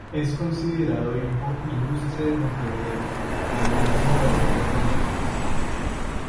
Es considerado Hijo Ilustre de Montevideo, además de Morador de Málaga.